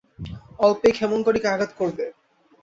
অল্পেই ক্ষেমংকরীকে আঘাত করে।